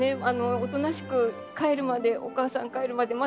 おとなしく帰るまでお母さん帰るまで待っててねって。